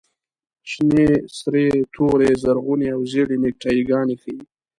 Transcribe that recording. شنې، سرې، تورې، زرغونې او زېړې نیکټایي ګانې ښیي.